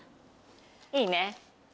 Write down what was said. いいね。